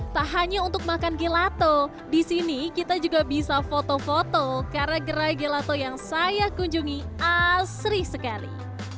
tak hanya untuk makan gelato disini kita juga bisa foto foto karena gerai gelato yang saya kunjungi asri sekali